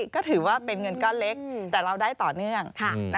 ก็ถือว่าเป็นเงินก้อนเล็กแต่เราได้ต่อเนื่อง